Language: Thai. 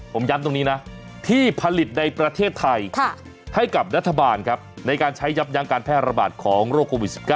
ผมย้ำตรงนี้นะที่ผลิตในประเทศไทยให้กับรัฐบาลครับในการใช้ยับยั้งการแพร่ระบาดของโรคโควิด๑๙